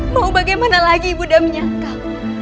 mau bagaimana lagi ibu nda menyatakan